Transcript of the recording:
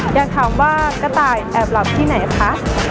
อยากถามว่ากระต่ายแอบหลับที่ไหนคะ